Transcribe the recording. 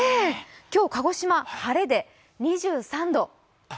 今日、鹿児島晴れで２３度。